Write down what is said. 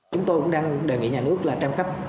chúng tôi cũng đang đề nghị nhà nước là tranh cấp